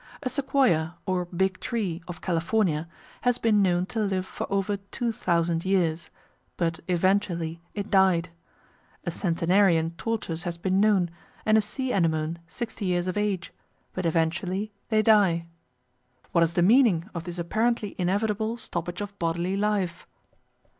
A Sequoia or "Big Tree" of California has been known to live for over two thousand years, but eventually it died. A centenarian tortoise has been known, and a sea anemone sixty years of age; but eventually they die. What is the meaning of this apparently inevitable stoppage of bodily life?